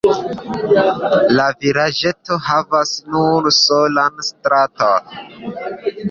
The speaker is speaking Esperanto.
La vilaĝeto havas nur solan straton.